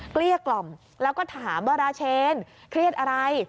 เกลี้ยกล่อมแล้วก็ถามว่าราเชนเครียดอะไร